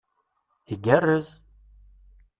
Igarrez!